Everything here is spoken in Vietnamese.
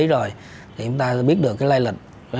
c shades là chuẩn bị tôi mất đi